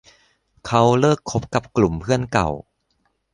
เค้าเลิกคบกับกลุ่มเพื่อนเก่า